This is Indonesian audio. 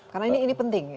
karena ini penting